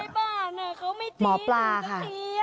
หมอปลาค่ะ